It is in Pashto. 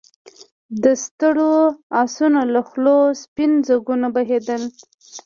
د ستړو آسونو له خولو سپين ځګونه بهېدل.